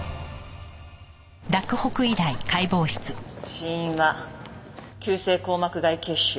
死因は急性硬膜外血腫。